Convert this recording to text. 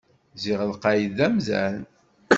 Ziɣ lqayed d amdan!